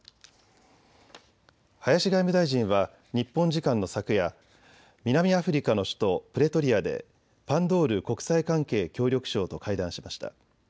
林外務大臣は日本時間の昨夜、南アフリカの首都プレトリアでパンドール国際関係・協力相と会談しました。